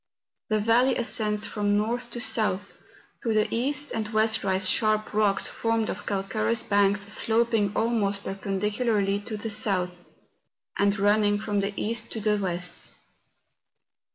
The valley ascends from north to south. To the east and west rise sharp rocks formed of calcareous banks sloping almost perpendicularly to the south, and running from the east to the west.